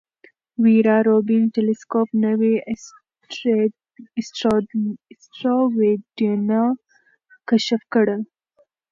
ویرا روبین ټیلسکوپ نوي اسټروېډونه کشف کړل.